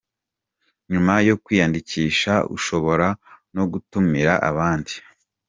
Nyuma yo kwiyandikisha ushobora no gutumira abandi.